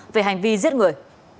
về hành vi giết người